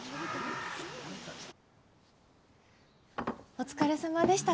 お疲れさまでした。